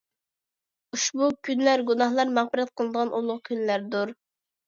ئۇشبۇ كۈنلەر گۇناھلار مەغپىرەت قىلىنىدىغان ئۇلۇغ كۈنلەردۇر.